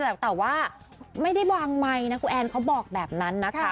แต่ว่าไม่ได้วางมายนะกูแอนด์เค้าบอกแบบนั้น